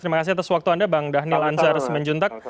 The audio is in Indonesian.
terima kasih atas waktu anda bang daniel anzar semenjuntak